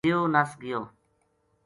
دیو نس گیو